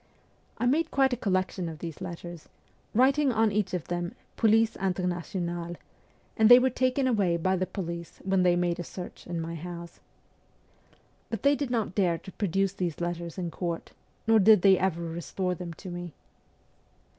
I made quite a collection of these letters, writing on each of them ' Police Internationale,' and they were taken away by the police when they made a search in my house. But they did not dare to produce these letters in court, nor did they ever restore them to me.